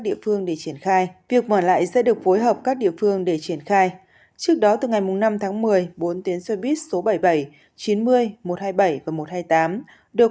địa phương để triển khai trước đó từ ngày năm một mươi bốn tuyến xe buýt số bảy mươi bảy chín mươi một trăm hai mươi bảy và một trăm hai mươi tám được